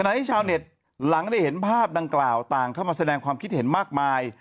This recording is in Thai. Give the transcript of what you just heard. ที่ชาวเน็ตหลังได้เห็นภาพดังกล่าวต่างเข้ามาแสดงความคิดเห็นมากมาย